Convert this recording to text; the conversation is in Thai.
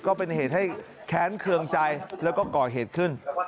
ก็เป็นเหตุให้แค้นเครื่องใจแล้วก็ก่อเหตุขึ้น